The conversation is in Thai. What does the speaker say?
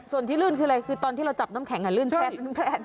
ส่วนที่ลื่นคืออะไรคือตอนที่เราจับน้ำแข็งลื่น